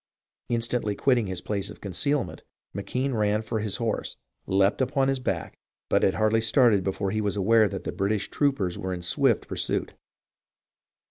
Instantly quitting his place of concealment, McKenne ran for his horse, leapt upon his back, but had hardly started before he was aware that the British troopers were in swift pursuit.